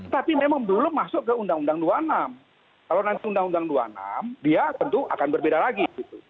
tapi memang dulu masuk ke undang undang dua puluh enam kalau nanti undang undang dua puluh enam dia tentu akan berbeda lagi